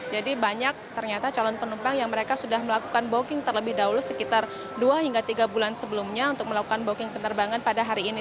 jadi banyak ternyata calon penumpang yang mereka sudah melakukan booking terlebih dahulu sekitar dua hingga tiga bulan sebelumnya untuk melakukan booking penerbangan pada hari ini